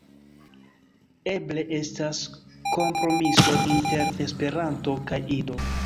Eble estas kompromiso inter Esperanto kaj Ido.